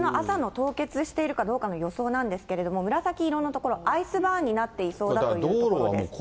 朝の凍結しているかどうかの予想なんですけど、紫色の所、アイスバーンになっていそうだという所ですね。